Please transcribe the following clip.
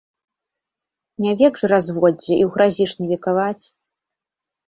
Не век жа разводдзе і ў гразі ж не векаваць.